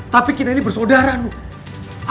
tapi kita ini bersaudara nih